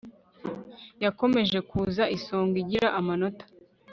yakomeje kuza ku isonga igira amanota